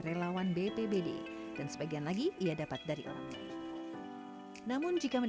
kalau untuk king cobra sendiri baru dua tahun ya mas